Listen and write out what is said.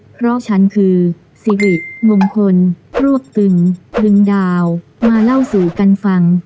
เพราะฉันคือสิริมงคลรวบตึงดึงดาวมาเล่าสู่กันฟัง